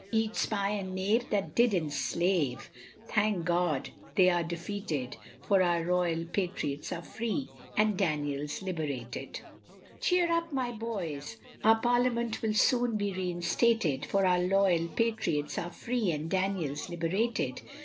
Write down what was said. Each spy and knave that did enslave, thank God they are defeated, For our loyal Patriots are free, and Daniel's liberated. CHORUS. Cheer up my boys, our Parliament will soon be reinstated, For our loyal Patriots are free, and Daniel's liberated.